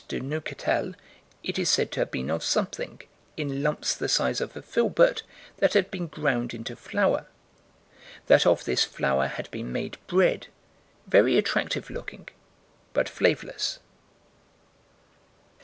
de Neuchatel_, it is said to have been of something, in lumps the size of a filbert, that had been ground into flour; that of this flour had been made bread, very attractive looking, but flavorless.